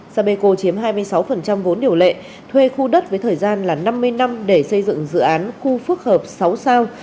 sapeco chiếm hai mươi sáu vốn điều lệ thuê khu đất với thời gian là năm mươi năm để xây dựng dự án khu phức hợp sáu sao